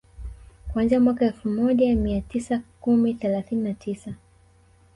Kuanzia mwaka Elfu moja mia tisa kumi thelathini na tisa